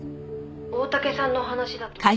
「大竹さんの話だと」